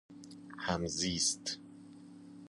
همزیست